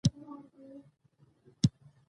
میخانیکي آخذه خوځېدل، فشار او اهتزاز محرک کوي.